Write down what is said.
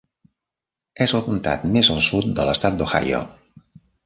És el comtat més al sud de l'estat d'Ohio.